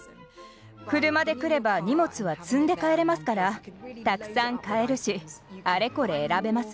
車で来れば荷物は積んで帰れますからたくさん買えるしあれこれ選べます。